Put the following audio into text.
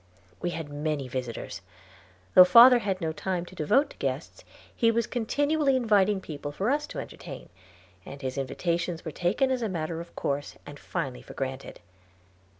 We had many visitors. Though father had no time to devote to guests, he was continually inviting people for us to entertain, and his invitations were taken as a matter of course, and finally for granted.